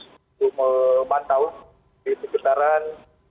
untuk memantau di sekitaran